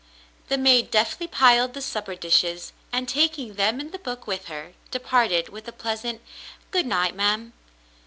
The maid deftly piled the supper dishes and, taking them and the book with her, departed with a pleasant "Good night, ma'm."